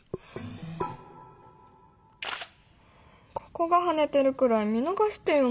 ここがハネてるくらい見逃してよ